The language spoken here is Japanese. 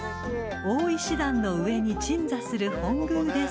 ［大石段の上に鎮座する本宮で参拝］